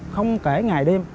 không kể ngày đêm